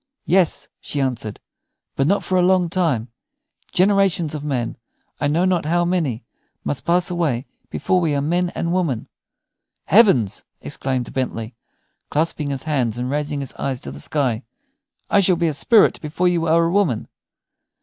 "Yes," she answered; "but not for a long time. Generations of men I know not how many must pass away before we are men and women." "Heavens!" exclaimed Bentley, clasping his hands and raising his eyes to the sky, "I shall be a spirit before you are a woman."